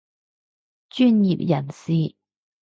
專業人士